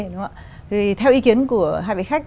thì theo ý kiến của hai vị khách